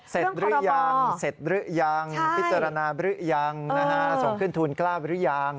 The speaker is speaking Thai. เสร็จหรือยังพิจารณาหรือยังส่งขึ้นทุนกล้าวหรือยัง